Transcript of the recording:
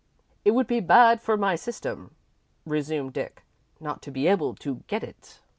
"It would be bad for my system," resumed Dick, "not to be able to get it."